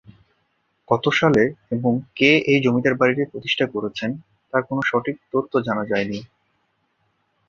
কত সালে এবং কে এই জমিদার বাড়িটি প্রতিষ্ঠা করেছেন তার কোন সঠিক তথ্য জানা যায়নি।